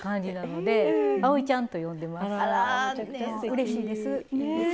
うれしいです。